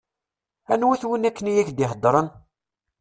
Anwa-t win akken i ak-d-iheddṛen?